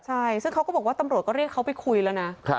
ใช่ซึ่งเขาก็บอกว่าตำรวจก็เรียกเขาไปคุยแล้วนะ